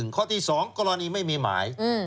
ข้อที่๒กรณีไม่มีหมาย